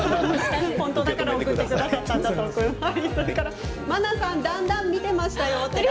本当だから送ってくださったんだと思いますよ。